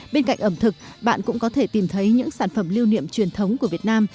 bên cạnh ẩm thực bạn cũng có thể tìm thấy những sản phẩm lưu niệm truyền thống của việt nam